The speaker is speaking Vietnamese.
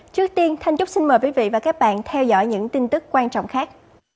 trước tiên thanh chúc xin mời quý vị và các bạn theo dõi những tin tức quan trọng khác